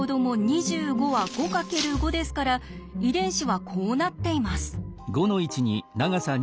２５は５×５ですから遺伝子はこうなっています。